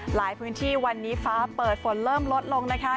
หลายพื้นที่วันนี้ฟ้าเปิดฝนเริ่มลดลงนะคะ